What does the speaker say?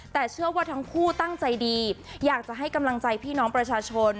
แต่เชื่อว่าทั้งคู่ตั้งใจดีอยากจะให้กำลังใจพี่น้องประชาชน